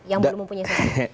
yang belum mempunyai sosok